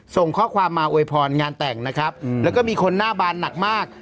ส่งข้อความมาอวยพรงานแต่งนะครับแล้วก็มีคนหน้าบานหนักมาก